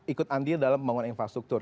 ikut andil dalam pembangunan infrastruktur